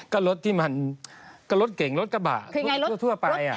ก็รถที่มันก็รถเก่งรถกระบะทั่วไป